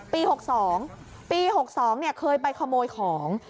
ปี๖๒ปี๖๒เคยไปขโมยของ